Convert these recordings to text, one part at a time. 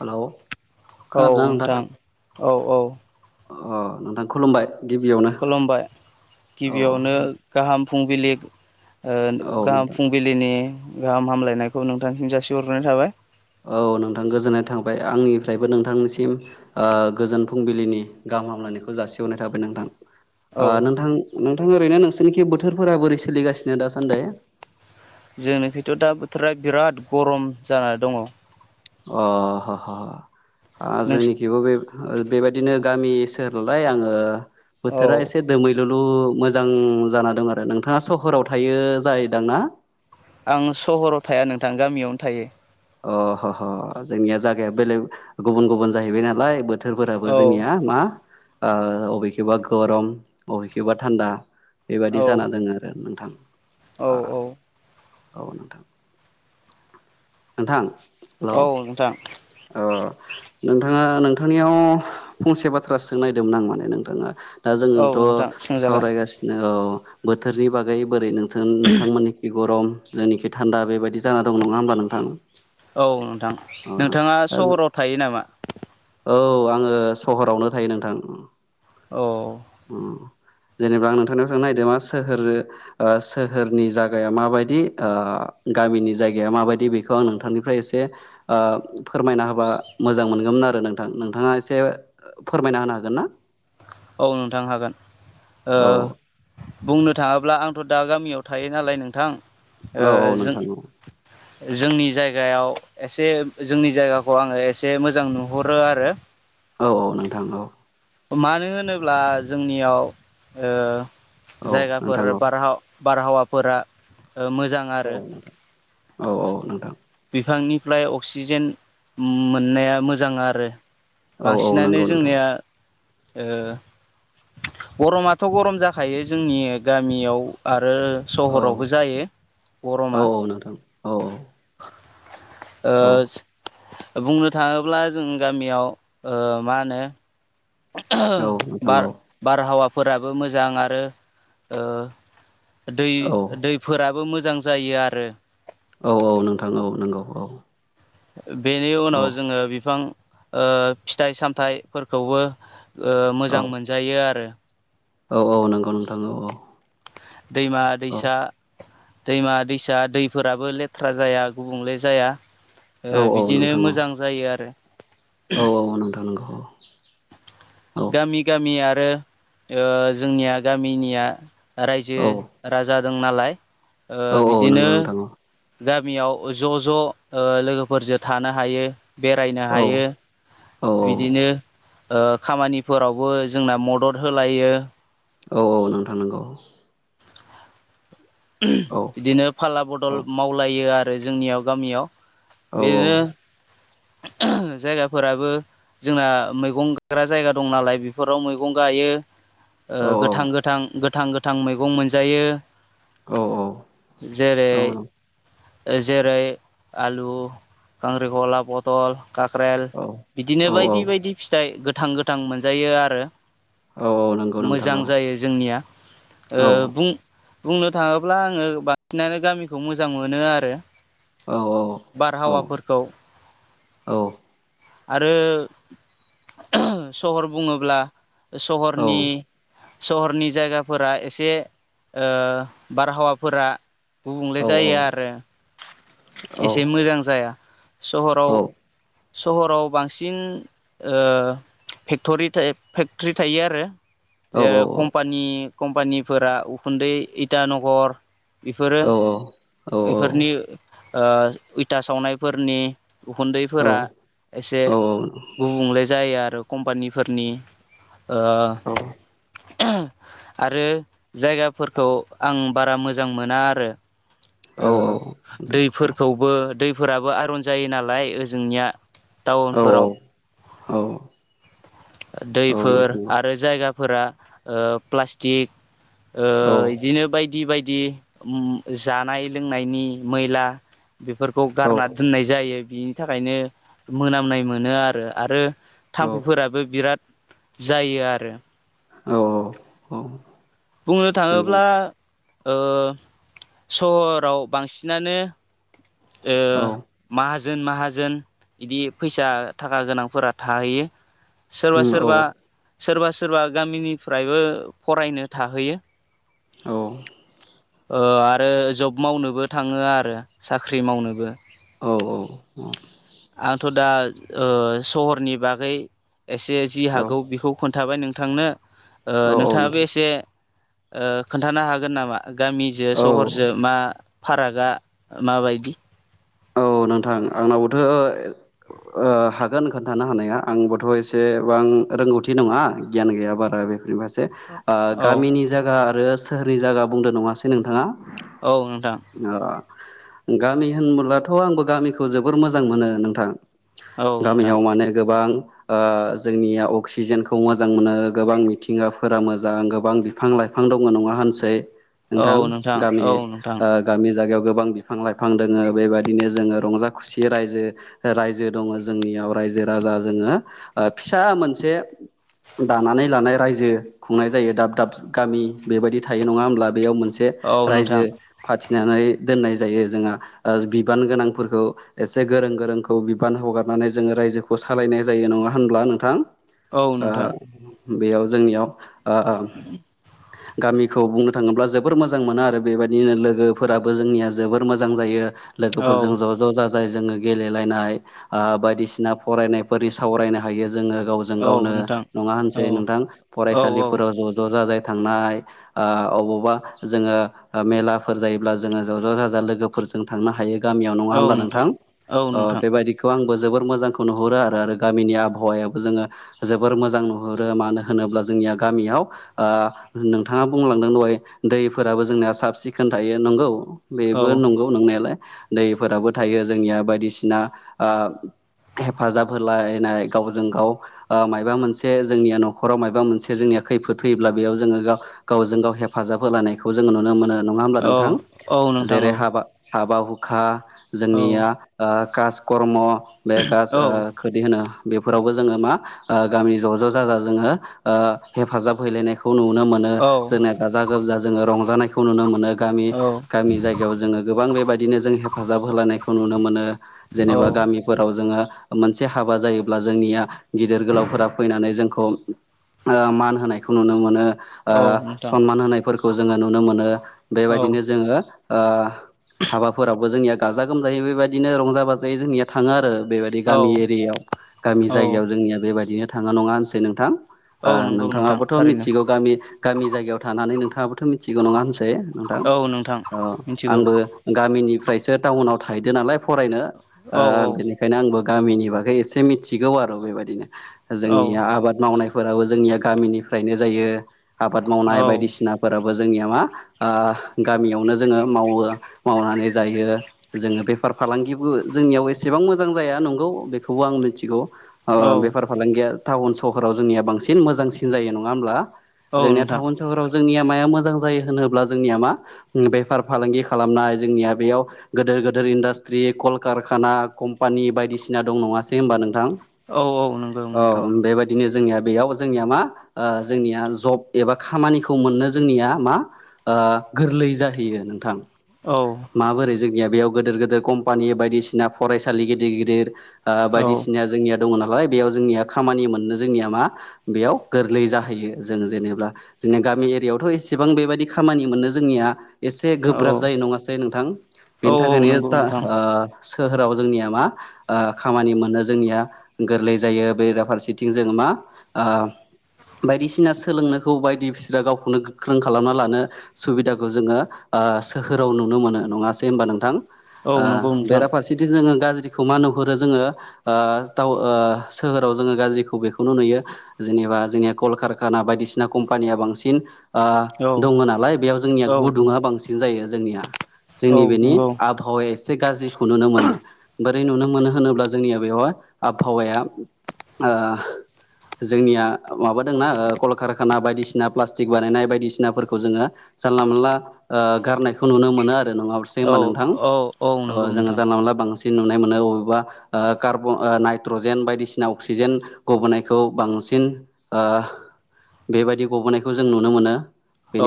हेल' खोनादों ना नोंथां? औ औ। अ नोंथां खुलुमबाय। गिबियावनो खुलुमबाय औ गिबियावनो गाहाम। फुंबिलि औ गाहाम नोंथां फुंबिलिनि गाहाम हामलायनायखौ नोंथांसिम जासिहर ग्रोनाय थाबाय औ नोंथां गोजोननाय थांबाय आंनिफ्रायबो नोंथांनिसिम गोजोन फुंबिलिनि गा हाम हामलायनायखौ जासिहरनाय थाबाय औ नोंथां नों थां ओरैनो नोंसोरनिखि बोथोरफोरा बोरै सोलिगासिनो दासान्दै? जोंनिखैथ' दा बोथोरा बिराद गरम जानानै दङ। अ नोंसि जोंनिखिबो बे बेबायदिनो। गामिसोलाय आङो औ बोथोरा एसे दैमैलु थं मोजां जाना दं आरो नोंथाङा सहराव थायो जाहैदां ना? आं सहराव थाया नोंथां गामियावनो थायो। अ जोंनिया जायगाया बेलेग गुबुन गुबुन जाहैबाय नालाय। बोथोरफोराबो औ जोंनिया मा अबे एखेबा गरम अबेखेबा थान्दा बेबायाददि औ जाना दङ आरो नोंथां। औ औ। औ नोंथां। नोंथां हेलौ औ नोंथां। अ नोंथाङा नोंथांनियाव फंसे बाथ्रा सोंनो नागिरदोंमोन आं माने नोंथाङा। दा औ जोङथ' नोंथां सोंजागोन सावरायगासिनो औ बोथोरनि बागै बोरै नों। नोंथांमोननिखि गरम जोंनिखि थान्दा बेबायदि जाना दं नङा होमबा नोंथां। औ नोंथां अ नोंथाङा दा सहराव थायो नामा? औ आङो सहरावनो थायो नोंथां। औ। उम जेनेबा आं नोंथांनियाव सोंनो नायदों मा सोहोर सोहोरनि जागाया माबायदि। गामिनि जायगाया माबायदि बेखौ आं नोंथांनिफ्राय एसे फोरमायना होबा मोजां मोनगोन आरो। नोंथां नोंथाङा एसे फोरमायना होनो हागोन ना? औ नोंथां हागोन औ बुंनो थाङाब्ला आंथ' दा गामियाव थायो नालाय नोंथां। ओ औ औ जों नोंथां औ। जोंनि जायगायाव एसे जोंनि जायगाखौ आङो एसे मोजां नुहरो आरो। औ औ नोंथां औ। मानो होनोब्ला जोंनियाव औ जायगाफोर नोंथां बारहा बारहावाफोरा मोजां औ आरो नोंथां औ नोंथां बिफांनि स्लइ अक्सिजेन मोननाया मोजां आरो औ औ बांसिनानो नंगौ नोंथां जोंनिया गरमाथ' गरम जाखायो जोंनि गामियाव आरो। आरो औ सहरावबो जायो औ गरमा। नोंथां औ औ। औ बुंनो थाङोब्ला जों गामियाव मा होनो। औ नोंथां औ बार बार हावा फोराबो मोजां आरो दै औ दैफोराबो मोजां मोजां जायो आरो। औ औ नोंथां औ नंगौ औ। बेनि औ उनाव जोङो बिफां फिथाइ सामथाइफोरखौबो औ मोजां मोनजायो आरो। औ औ नंगौ नोंथां औ औ। दैमा-दैसा दैमा दैसा दैफोराबो लेथ्रा जाया गुबुंले जाया। औ औ बिदिनो नोंथां औ मोजां जायो आरो। औ औ नोंथां नंगौ औ। गामि गामि आरो जोंनिया गामिनिया। रायजो औ राजा दं नालाय औ औ बिदिनो। नंगौ नोंथां औ गामियाव ज' ज' लोगोफोरजों थानो हायो। बेरायनो हायो औ बिदिनो खामानिफोरावबो जोंना मदद होलायो। औ औ नोंथां नांगौ। बिदिनो फाला औ बदल मावलायो आरो जोंनियाव गामियाव। औ बिदिनो जायगाफोराबो जोंना मैगं गायग्रा जायगा दं नालाय बेफोराव मैगं गायो। औ गोथां गोथां गोथां गोथां मैगं मोनजायो। औ औ जेरै औ औ। जेरै आलु खांख्रिखला बथल काख्रेल बिदिनो औ बायदि बायदि फिथाइ गोथां गोथां मोनजायो आरो। औ औ नंगौ नोंथां मोजां औ जायो जोंनिया बुंनो बुंनो थाङोब्ला आङो बांसिनानो गामिखौ मोजां मोनो आरो औ औ बारहावाफोरखौ औ। आरो सहर बुङोब्ला। औ सहरनि सहरनि जायगाफोरा एसे बारहावाफोरा गुबुंले औ जायो औ आरो औ एसे मोजां जाया। औ सहराव सहराव बांसिन फेक्टरि थायो आरो। जेरै कम्पानि कम्पानिफोरा उखुन्दै इटानगर। बेफोरो बेफोरनि इथा सावनायफोरनि उखुन्दैफोरा एसे गुबुंले जायो आरो। कम्पानिफोरनि ओ नोंथां आरो जायगाफोरखौ आं बारा मोजां मोना आरो। ओ औ औ। दैफोरखौबो दैफोराबो आयर'न जायो नालाय ओजोंनिया। औ औ टाउनफोराव औ औ नोंथां दैफोर नंगौ आरो जायगा। फोरा प्लासथिक बिदिनो बायदि बायदि। बिदि जानाय लोंनायनि मैला बेफोरखौ औ गारना दोननाय जायो बिनि थाखायनो मोनामनाय मोनो आरो आरो ना औ थाम्फैफोराबो बिराद जायो आरो। औ औ औ। बुंनो नंगौ थाङोब्ला। नोंथां सहराव बांसिनानो। औ माहाजोन जोन माहाजोन बिदि फैसा थाखा गोनांफोरा थाहैयो। सोरबा उम औ सोरबा सोरबा सोरबा गामिनिफ्रायबो फरायनो थाहैयो औ। आरो जब मावनोबो थाङो आरो साख्रि मावनोबो। औ औ औ। आंथ' दा सहरनि बागै एसे जि औ हागौ बेखौ खोन्थाबाय नोंथांनो। औ औ नोंथाङाबो नोंथां एसे खोन्थानो हागोन नामा? गामिजों औ सहरजों मा फारागा माबायदि। औ नोंथां आंनावबोथ'। हागोन खोनन्थानो हानाया आंबोथ' एसेबां रोंगौथि नङा गियान गैया बारा बे बेबाससे औ गामिनि जायगा आरो सोहोरनि जायगा बुंदों नङासै नोंथाङा? औ नोंथां। ओ गामि होनब्लाथ' आंबो गामिखौ जोबोर मोजां मोनो नोंथां। औ नोंथां गामियाव माने गोबां। जोंनिया अक्सिजेनखौ मोजां मोनो गोबां मिथिंगाफोरा मोजां गोबां बिफां-लाइफां बिफां दङ नङा होनसै औ नोंथां औ गामिनि नोंथां गामि जागायाव। गोबां बिफां लाइफां दोङो बेबायदि। बिनो जो रंजा खुसि रायजो रायजो दङ जोंनियाव रायजो राजा जोङो। फिसा मोनसे। दानानै लानाय रायजो खुंनाय जायो दाब दाब गामि बेबायदि थायो नङा ओमब्ला बेयाव मोन से औ नोंथां रायजो फाथिनानै दोननाय जायो जोङा बिब बान गोनांफोरखौ एसे गोरों गोरोंखौ बिबान हगारनानै जोङो रायजोखौ सालायनाय जायो नङा होनब्ला नोंथां औ ओ नोंथां बेयाव जोंनियाव गामिखौ बुंनो थाङोब्ला जोबोर मोजां मोनो आरो बेबायदिनो लोगोफोराबो जोंनिया जोबोर मोजां जायो। औ लोगोफोरजों ज' ज' जाजा य जोङो गेलेलायनाय बायदिसिना फरायनायफोरनि सावरायनो हायो। जोङो गावजों औ गावनो नोंथां नङा औ होनसै नोंथां औ औ फरायसालिफोराव ज' ज' जाजाय थांनाय ओ अबोबा जोङो ओ मेलाफोर जायोब्ला जोङो ज' ज' जाजाय लोगोफोरजों थांनो हायो गामियाव नङा होमबाथ नोंथां औ ओ नोंथां बेबायदिखौ आंबो। जोबोर मोजांखौ नुहुरो आरो गामिनि आबहावायाबो जोङो जोबोर मोजां नुहुरो मानो होनोब्ला जों गामियाव ओ नोंथाङा बुंलांदों दहाय दैफोराबो जोंनिया साब सिखोन थायो नंगौ। औ बेबो नंगौ नोंनायालाय दैफोराबो थायो जोंनिया बायदिसिना ओ हेफाजाब होलायनाय गावजों गाव ओ मायबा मोनसे जोंनिया न'खराव मायबा मोनसे जोंनिया खैफोद फैयोब्ला बेयाव जोङो गाव गावजों गाव हेफाजाब होलायनायखौ जोङो नुनो मोनो नङा ओमबा औ नोंथां औ नोंथां जेरै औ हाबा हाबा हुखा औ जोंनिया ओ कास कर्म बे कास औ खोदि होनो। बेफोरावबो जोङो मा ओ गामि ज' ज' जाजा जोङो हेफाजाब हैलायनाय खौ नुनो मोनो औ जोंनिया गाजा गोमजा जोङो रंजानायखौ नुनो मोनो। गामि औ गामि जायगायाव जोङो गोबां बेबायदिनो जों हेफाजाब होलायनायखौ नुनो मोनो। औ जेनेबा गामिफोराव जोङो। मोनसे हाबा जायोब्ला जोंनिया गिदिर गोलावफोरा फैनानै जोंखौ। मान होनायखौ नुनो मोनो। ओ औ नोंथां सनमान होनायफोरखौ जोङो नुनो मोनो औ बेबायदिनो जोङो ओ हाबाफोरावबो जोंनिया गाजा गोमजायै बेबायदिनो रंजा बाजायै जोंनिया थाङो आरो। बेबायदि गामि औ एरियाव गामि औ जायगायाव जोंनिया बेबायदिनो थाङो नङा होनसै नोंथां औ ओ नंगौ नोंथां नोंथाङाबोथ' थारैनो मिथिगौ गामि गामि जायगायाव थानानै नोंथाङाबोथ' मिथिगौ नङा होन सै नोंथां औ नोंथां ओ मिथिगौ आंबो गामिनिफ्रायसो टाउनाव थाहैदों नालाय फरायनो ओ औ बेनिखायनो आंबो गामिनि बागै एसे मिथिगौ आरो बेबायदिनो जोंनिया औ आबाद मावनायफोराबो जोंनिया गामिनिफ्रायनो जायो आबाद औ मावनाय बायदिसिनाफोराबो जोंनिया मा ओ गामियावनो जोङो मावो मावनानै जायो जोङो बेफार फालांगिबो जोंनियाव एसेबां मोजां जाया नंगौ बेखौबो आं मिथिगौ ओ औ बेफार फालांगिया टाउन सहराव जोंनिया बांसिन मोजांसिन जायो नङा ओमब्ला औ जोंनिया नोंथां टाउन सहराव जोंनियाव माया मोजां जायो होनोब्ला जोंनिया मा बेफार फालांगि खालामनाय जोंनिया बेयाव गोदोर गोदोर इन्डास्ट्रि कलकारखाना कम्पानि बायदिसिना दं नङासै ओमबा नोंथां? औ औ नंगौ नोंथां बिदिनो जोंनिया बेयाव जोंनिया मा ओ जोंनिया जब एबा खामानिखौ मोननो जोंनिया मा ओ गोरलै जाहैयो नोंथां औ माबोरै जोंनिया बेयाव गोदोर गोदोर कम्पानि बायदिसिना फरायसालि गिदिर गिदिर ओ औ बायदिसिना जोंनिया दङ नालाय बेयाव जोंनिया खामानि मोननो जोंनिया मा बेयाव गोरलै जाहैयो जों जेनेब्ला जोंनि गामि एरियायावथ' एसेबां बेबायदि खामानि मोनो जोंनिया एसे गोब्राब औ जायो नङासै नोंथां औ बेनि थाखायनो नंगौ दा नोंथां ओ सोहोराव जोंनिया मा ओ खामानि मोनो जोंनिया गोरलै जायो बेराफारसेथिं जों मा मा ओ बायदिसिना सोलोंनोखौ बायदि बिसोरो गावखौनो गोख्रों खालामना लानो सुबिदाखौ जोङो ओ सोहोराव नुनो मोनो नङासै होमबा नोंथां औ ओ नंगौ नोंथां बेराफारसेथिं जोङो गाज्रि दिखौ मा नुहरो जोङो ओ सोहोराव जोङो गाज्रिखौ बेखौनो नुयो जों एबा जोंनिया कलकारखाना बायदिसिना कम्पानिया बांसिन ओ औ दङ' नालाय बेयाव जोंनिया औ गुदुङा बांसिन जायो जोंनिया। औ जोंनि बेनि नंगौ आबहावाया एसे गाज्रिखौ नुनो मोनो बोरै नुनो मोनो होनोब्ला जों जोंनिया बेवहाय आबहावाया ओ जोंनिया माबादोंना ओ कलकारखाना बायदिसिना प्लास्टिक बानायनाय बायदिसिनाफोरखौ जोङो जानला मोनला ओ गारनायखौ नुनो मोनो आरो। दे नङासै औ होमबा नोंथां। औ औ नंगौ जोङो नोंथां जानला मोनला बांसिन नुनाय मोनो बबेबा ओ कार्ब् ओ नाइट्रजेन बायदिसिना अक्सिजेन गबोनायखौ बांसिन बांसिन ओ बेबायदि गबोनायखौ जों नुनो मोनो।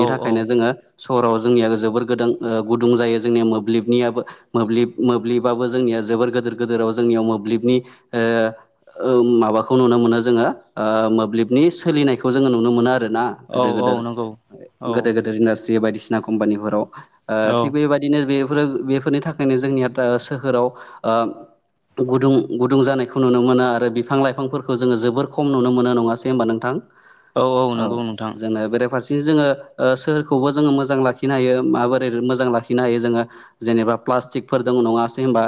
औ औ थाखायनो जोङो सहराव जोंनिया जोबोर गोदों ओ गुदुं जायो। जोंनि मोब्लिबनियाबो मोब्लिब मोब्लिबाबो जोंनिया जोबोर गोदोर गोदोराव जों याव मोब्लिबनि ओ ओ माबाखौ नुनो मोनो जोङो ओ मोब्लिबनि सोलिनायखौ जोङो नुनो मोनो आरो ना औ गोदो- औ गेदोर नंगौ औ गोदोर गोदोर इन्डास्ट्रि बायदिसिना कम्पानिफोराव। ओ औ थिग बेबायदिनो बेफोरो बेफोरनि थाखायनो जोंनिया था सोहोराव ओ गुदुं गुदुं जानायखौ नुनो मोनो आरो बिफां लाइफांफोरखौ जोङो जोबोर खम नुनो मोनो नङासै होमबा नोंथां। औ औ नंगौ नोंथां। फारसे जोङो ओ सोरखौबो जोङो मोजां लाखिनो हायो माबोर रै मोजां लाखिनो हायो जोङो जेनेबा प्लास्टिकफोर दं नङासै होनबा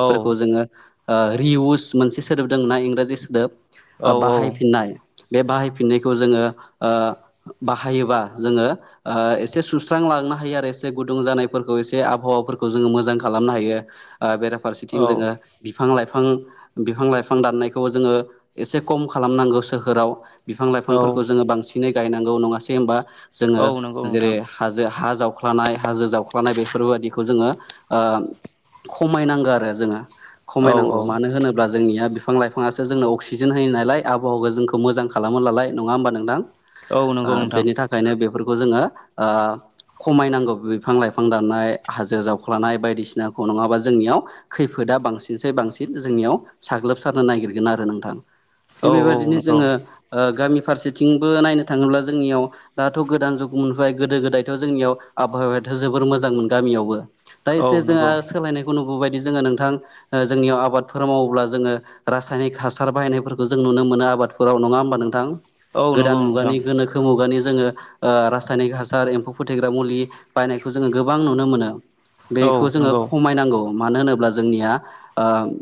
औ जोङो ओ रि इउस मोनसे सोदोब दोङोना इंराजि सोदोब औ ओ बाहायफिननाय। बे बाहायफिननायखौ जोङो ओ बाहायोबा जोङो ओ एसे सुस्रांला लांनो हायो आरो एसे गुदुं जानायफोरखौ एसे आबहावाफोरखौ जोङो मोजां खालामनो हायो। ओ बेराफारसेथिं जोङो बिफां-लाइफां फां बिफां लाइफां दाननायखौ जोङो एसे खम खालामनांगौ सोहोराव। बिफां औ लाइफांफोरखौ जोङो बांसिनै गायनांगौ नङासै होमबा जोङो औ औ नंगौ जेरै नोंथां हाजो हा जाव जावख्लानाय हाजो जावख्लानाय बेफोर बादिखौ जोङो ओ खमायनांगो आरो जोङो। खमायनांगौ मानो औ होनोब्ला जोंनिया बि बिफां लाइफाङासो जोंनो अक्सिजेन होयो नालाय आबहावाखौ जोंखौ मोजां खालामोलालाय नङा होमबा नोंथां औ औ आ नंगौ नोंथां बेनि थाखायनो बेफोरखौ जोङो ओ खमायनांगौ बिफां लाइफां दाननाय हाजो जावख्लानाय बायदिसिनाखौ नङाबा जोंनियाव खैफोदा बांसिनसाय बांसिन जोंनियाव साग्लोबसारनो नागिरगोन आरो नोंथां। औ थिग बेबादिनो नंगौ जोङो ओ गामिफो फारसेथिंबो नायनो थाङोब्ला जोंनियाव दाथ' गोदान जुग मोनफाबाय गोदो गोदायथ' जोंनियाव आबहावायाथ' जोबोर मोजांमोन गामियावबो दा औ एसे जोंहा नंगौ सोलायनायखौ नुबोबाय जोङो नोंथां ओ जोंनियाव आबादफोर मावोब्ला जोङो रासायनिक हासार बाहायनायफोरखौ जों नुनो मोनो आरो। आबादफोराव नङा होमबा नोंथां औ गोदान नंगौ मुगानि नोंथां गोनोखो मुगानि जोङो ओ रासायनिक हासार एम्फौ फोथैग्रा मुलि बायनायखौ जोङो गोबां नुनो मोनो। औ बेखौ जोङो नंगौ खमायनांगौ मानो होनोब्ला जोंनिया ओम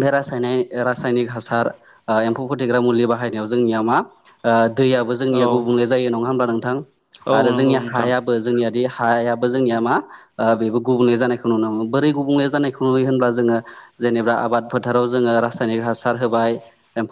बे रासाय-रासायनिक हासार ओ एम्फौ फोथेग्रा मुलि बाहायनायाव जोंनियाव मा ओ दैयाबो औ जोंनिया गुबुंले जायो नङा होमबा नोंथां। औ आरो नंगौ जोंनिया नोंथां। हायाबो जोंनिया देहायाबो जोंनिया मा ओ बेबो गुबुंले जानायखौ नुनो मोनो बोरै गुबुंले जानायखौ नुयो होनब्ला जोङो ङो जेनेबा आबाद फोथाराव जोङो रासायनिक हासार होबाय एम